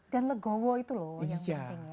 dan legowo itu loh yang penting ya